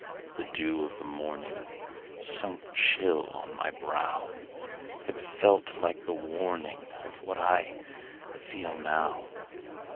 The dew of the morningSunk chill on my brow; It felt like the warningOf what I feel now.